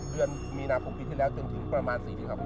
๖เดือนมีนาคมที่ที่แล้วจนถึงประมาณ๔ทีครับ